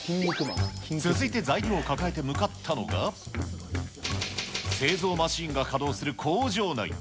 続いて材料を抱えて向かったのが、製造マシンが稼働する工場内。